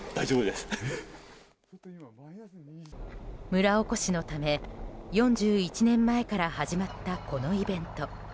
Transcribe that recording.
村おこしのため、４１年前から始まったこのイベント。